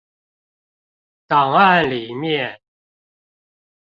檔案裡面